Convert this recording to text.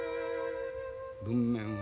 文面は。